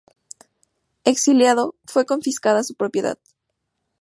Exiliado, fue confiscada su propiedad.